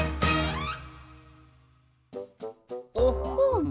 おっほん。